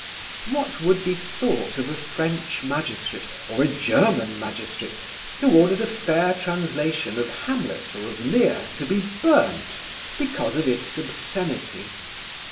What would be thought of a French magistrate or a German magistrate who ordered a fair translation of "Hamlet" or of "Lear" to be burnt, because of its obscenity?